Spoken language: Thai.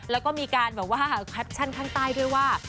แล้วก็มีการแบบว่าแคปชั่นข้างใต้ด้วยว่า